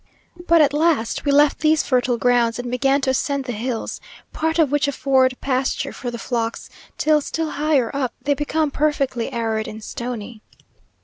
But at last we left these fertile grounds, and began to ascend the hills, part of which afford pasture for the flocks, till, still higher up, they become perfectly arid and stony.